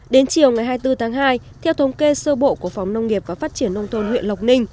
đến chiều ngày hai mươi bốn tháng hai theo thống kê sơ bộ của phòng nông nghiệp và phát triển nông thôn huyện lộc ninh